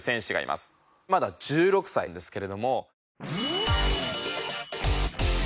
まだ１６歳ですけれども。